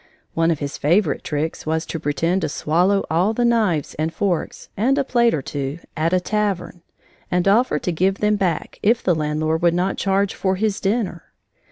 One of his favorite tricks was to pretend to swallow all the knives and forks, and a plate or two, at a tavern, and offer to give them back if the landlord would not charge for his dinner.